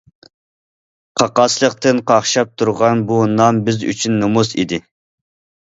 قاقاسلىقتىن قاقشاپ تۇرغان بۇ نام بىز ئۈچۈن نومۇس ئىدى.